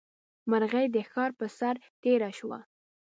مرغۍ د ښار پر سر تېره شوه.